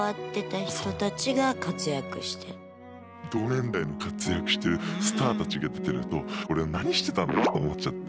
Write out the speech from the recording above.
同年代の活躍してるスターたちが出てるとオレは何してたんだと思っちゃって。